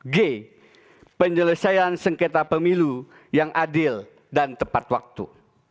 g penyelesaian sengketa pemilu yang adil dan tepat waktu